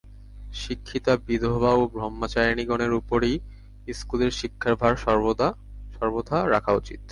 শিক্ষিতা বিধবা ও ব্রহ্মচারিণীগণের ওপরই স্কুলের শিক্ষার ভার সর্বথা রাখা উচিত।